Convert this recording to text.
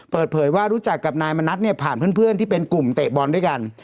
เปิดเผยว่ารู้จักกับนายมณัฐเนี่ยผ่านเพื่อนที่เป็นกลุ่มเตะบอลด้วยกัน